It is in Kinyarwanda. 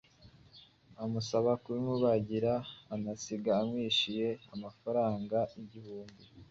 amusaba kuyimubagira, anasiga amwishyuye amafaranga ibihumbi